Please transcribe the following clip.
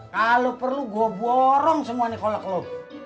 kalau perlu gua borong semua kolek lu